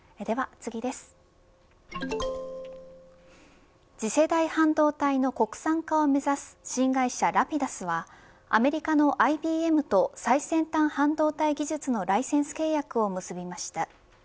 次世代半導体の国産化を目指す新会社ＲａｐｉｄｕｓはアメリカのＩＢＭと最先端半導体技術のライセンス契約を結びました。